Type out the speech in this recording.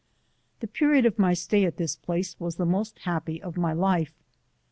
The period of my «tay at this place was the most happy of my life.